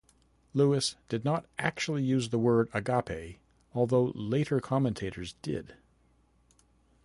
Lewis did not actually use the word "agape" although later commentators did.